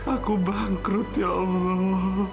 aku bangkrut ya allah